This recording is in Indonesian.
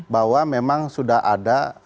bahwa memang sudah ada